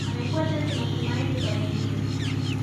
amekuwa chanzo cha matumaini kwa wengine